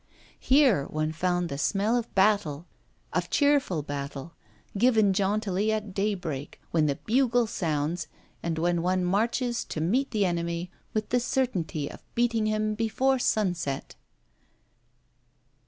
Here one found the smell of battle, of cheerful battle, given jauntily at daybreak, when the bugle sounds, and when one marches to meet the enemy with the certainty of beating him before sunset.